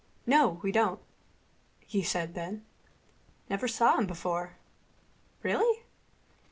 "No, we don't," he said then. "Never saw him before.... Really?